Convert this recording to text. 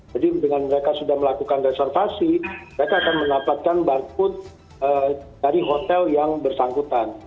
dengan mereka sudah melakukan reservasi mereka akan mendapatkan barcode dari hotel yang bersangkutan